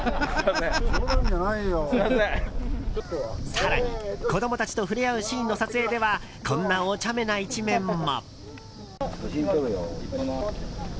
更に、子供たちと触れ合うシーンの撮影ではこんなおちゃめな一面も。